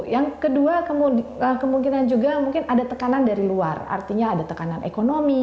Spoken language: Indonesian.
yang kedua kemungkinan juga mungkin ada tekanan dari luar artinya ada tekanan ekonomi